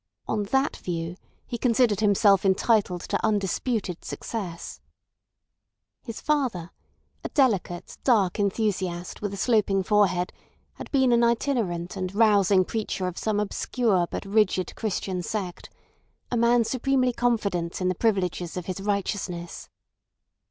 On that view he considered himself entitled to undisputed success. His father, a delicate dark enthusiast with a sloping forehead, had been an itinerant and rousing preacher of some obscure but rigid Christian sect—a man supremely confident in the privileges of his righteousness.